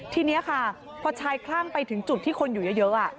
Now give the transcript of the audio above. ทีนี้ค่ะพอชายคลั่งไปถึงจุดที่คนอยู่เยอะ